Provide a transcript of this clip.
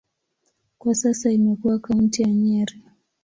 Kwa sasa imekuwa kaunti ya Nyeri.